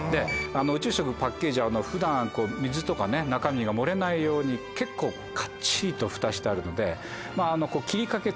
宇宙食パッケージは普段水とか中身が漏れないように結構かっちりとフタしてあるので切り掛け